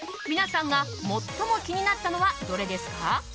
皆さんが最も気になったのはどれですか？